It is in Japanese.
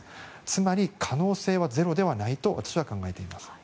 つまり、可能性はゼロではないと私は考えています。